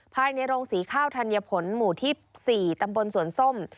ภายในโรงสีข้าวธัญผลหมู่ที่๔ตำบลสวนส้ม